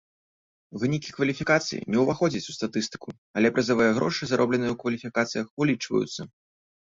Вынікі кваліфікацый не ўваходзяць у статыстыку, але прызавыя грошы, заробленыя ў кваліфікацыях, улічваюцца.